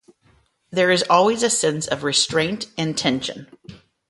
There is always a sense of restraint and tension.